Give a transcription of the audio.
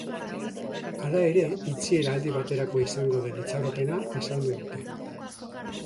Hala ere, itxiera aldi baterako izango den itxaropena azaldu dute.